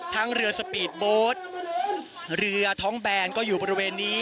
เรือสปีดโบสต์เรือท้องแบนก็อยู่บริเวณนี้